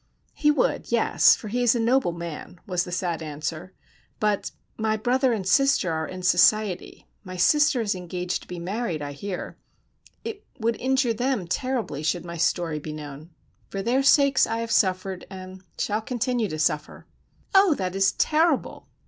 "He would, yes, for he is a noble man," was the sad answer; "but my brother and sister are in society—my sister is engaged to be married I hear—it would injure them terribly should my story be known. For their sakes I have suffered and shall continue to suffer." "Oh, that is terrible!